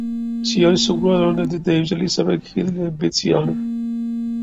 She also wrote under the names Elizabeth Headley and Betsy Allen.